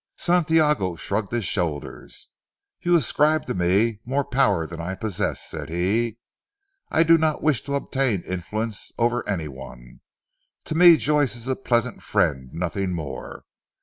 Santiago shrugged his shoulders. "You ascribe to me more power than I possess," said he, "I do not wish to obtain influence over any one. To me Joyce is a pleasant friend, nothing more.